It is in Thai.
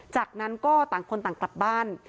จากนั้นก็ต่างคนต่างกลับบ้าน